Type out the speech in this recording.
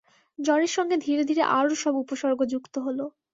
জ্বরের সঙ্গে ধীরে-ধীরে আরো সব উপসর্গ যুক্ত হল।